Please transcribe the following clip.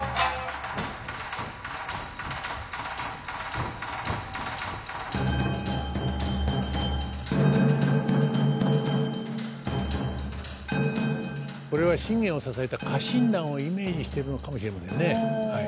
これは信玄を支えた家臣団をイメージしてるのかもしれませんね。